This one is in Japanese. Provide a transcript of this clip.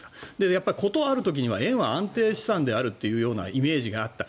やっぱり事ある時には円は安定資産であるというイメージがあった。